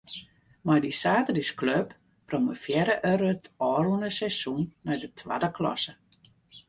Mei dy saterdeisklup promovearre er it ôfrûne seizoen nei de twadde klasse.